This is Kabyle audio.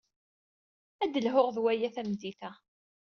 Ad d-lhuɣ d waya tameddit-a.